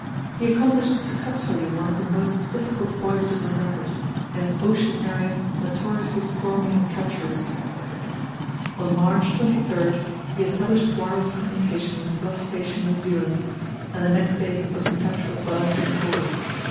He accomplished successfully one of the most difficult voyages on record, in an ocean area notoriously stormy and treacherous. On March 23 he established wireless communication with Bluff Station, New Zealand, and the next day was in touch with Wellington and Hobart.